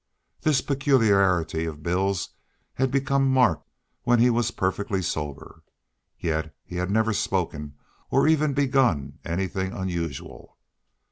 This peculiarity of Bill's had become marked when he was perfectly sober. Yet he had never spoken or even begun anything unusual.